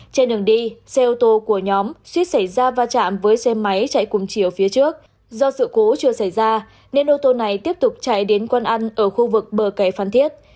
trên đường đi xe ô tô của nhóm suýt xảy ra va chạm với xe máy chạy cùng chiều phía trước do sự cố chưa xảy ra nên ô tô này tiếp tục chạy đến quán ăn ở khu vực bờ kẻ phan thiết